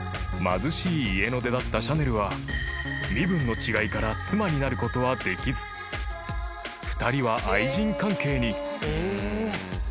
［貧しい家の出だったシャネルは身分の違いから妻になることはできず２人は愛人関係に］